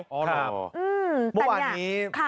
อ๋อเหรออืมแต่เนี่ยค่ะมันวันนี้